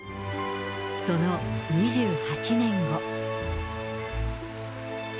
その２８年後。